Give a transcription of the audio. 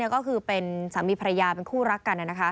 ก็คือเป็นสามีภรรยาเป็นคู่รักกัน